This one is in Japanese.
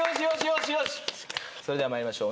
それでは参りましょう。